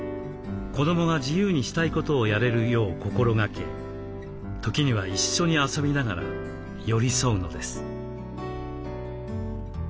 子どもが自由にしたいことをやれるよう心がけ時には一緒に遊びながら寄り添うのです。